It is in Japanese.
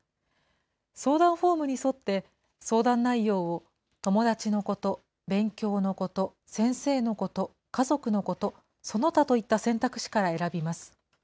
相談フォームに沿って、相談内容を友達のこと、勉強のこと、先生のこと、家族のこと、その他といった選択肢から選びます。